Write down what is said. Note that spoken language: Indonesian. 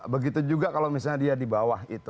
begitu juga kalau misalnya dia di bawah itu